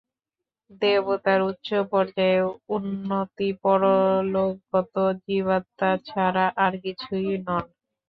দেবতারা উচ্চ পর্যায়ে উন্নীত পরলোকগত জীবাত্মা ছাড়া আর কিছুই নন।